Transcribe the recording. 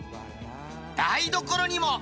台所にも！